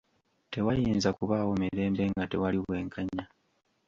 Tewayinza kubaawo mirembe nga tewali bwenkanya.